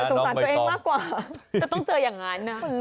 แต่ต้องเจออย่างนั้น